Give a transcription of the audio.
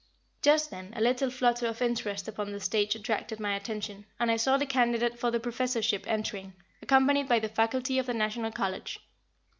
Just then a little flutter of interest upon the stage attracted my attention, and I saw the candidate for the professorship entering, accompanied by the Faculty of the National College.